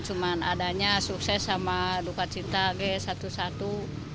cuma adanya sukses sama dukacita satu satu